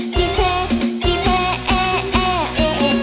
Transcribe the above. สิเผ่สิเผ่เอเอเอ